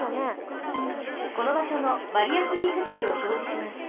このばしょのバリアフリーせつびをひょうじします。